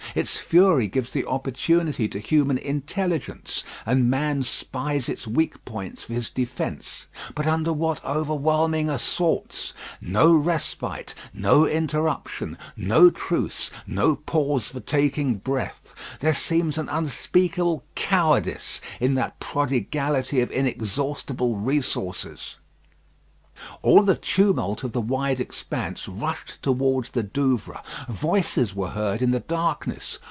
Its fury gives the opportunity to human intelligence, and man spies its weak points for his defence; but under what overwhelming assaults! No respite, no interruption, no truce, no pause for taking breath. There seems an unspeakable cowardice in that prodigality of inexhaustible resources. All the tumult of the wide expanse rushed towards the Douvres. Voices were heard in the darkness.